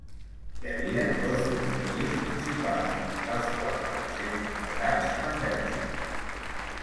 Hi havia dos objectius principals, dels quals van ser completats amb èxit.